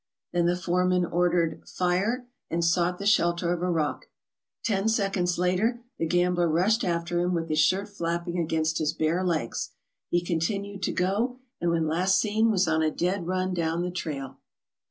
Then the foreman ordered* "fire" and sought the shelter of a rock. Ten seconds later the gambler rushed after him with his shirt flapping against his bare legs. He continued to go, and when last seen was on a dead run down the trail.